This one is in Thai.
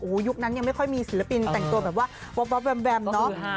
ยุคนั้นยังไม่ค่อยมีศิลปินแต่งตัวแบบว่าว๊อบแวมเนาะ